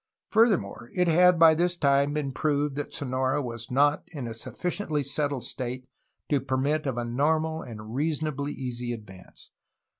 Furthermore, it had by this time been proved that Sonora was not in a sufficiently settled state to permit of a normal and reasonably easy advance.